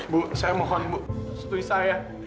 bu saya mohon bu stui saya